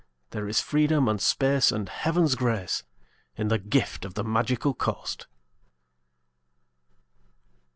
There is freedom and space and Heaven's grace In the gift of the Magical Coast.